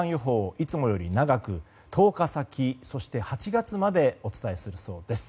いつもより長く１０日先そして８月までお伝えするそうです。